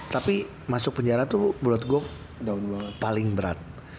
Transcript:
tapi masuk penjara tuh menurut gue paling berat